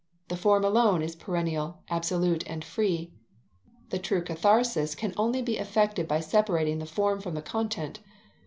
The form alone is perennial, absolute, and free. The true catharsis can only be effected by separating the form from the content.